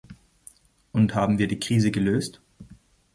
Und haben wir die Krise gelöst?